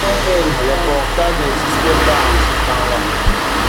Les portables n’existaient pas en ce temps-là.